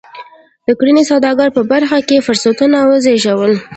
د کرنې او سوداګرۍ په برخه کې فرصتونه وزېږول.